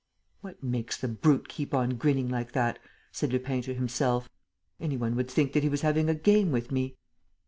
"What makes the brute keep on grinning like that?" said Lupin to himself. "Any one would think that he was having a game with me."